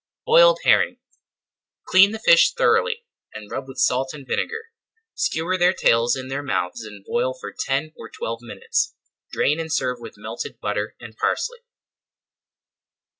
BOILED HERRING Clean the fish thoroughly, and rub with salt and vinegar. Skewer their tails in their mouths and boil for ten or twelve minutes. Drain and serve with melted butter and parsley.